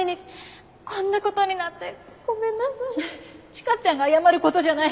千佳ちゃんが謝る事じゃない。